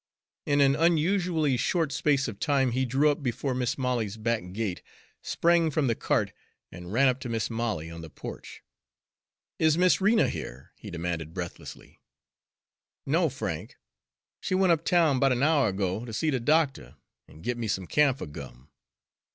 In an unusually short space of time he drew up before Mis' Molly's back gate, sprang from the cart, and ran up to Mis' Molly on the porch. "Is Miss Rena here?" he demanded breathlessly. "No, Frank; she went up town 'bout an hour ago to see the doctor an' git me some camphor gum."